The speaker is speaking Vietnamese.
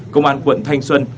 công an quận thanh xuân